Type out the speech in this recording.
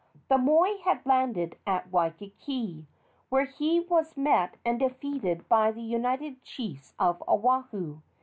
The moi had landed at Waikiki, where he was met and defeated by the united chiefs of Oahu.